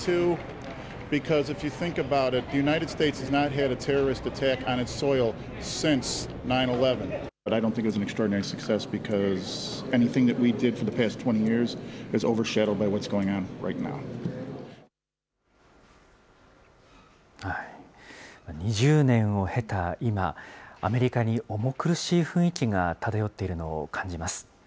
２０年を経た今、アメリカに重苦しい雰囲気が漂っているのを感じます。